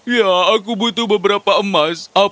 ya aku butuh beberapa emas